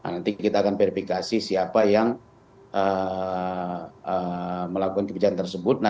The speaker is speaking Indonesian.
nanti kita akan verifikasi siapa yang melakukan kebijakan tersebut